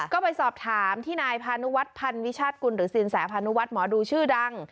ก็ไปสอบถามที่นายพานุวัฒนภัณฑ์วิชาติกุลหรือสินแสพานุวัฒน์หมอดูชื่อดัง